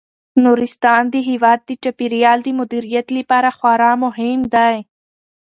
نورستان د هیواد د چاپیریال د مدیریت لپاره خورا مهم دی.